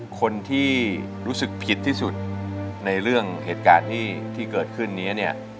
คนที่รู้สึกผิดที่สุดในเรื่องเหตุการณ์ที่เกิดขึ้นนี้เนี่ย